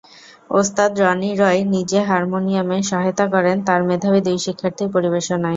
ওস্তাদ রনি রয় নিজে হারমোনিয়ামে সহায়তা করেন তাঁর মেধাবী দুই শিক্ষার্থীর পরিবেশনায়।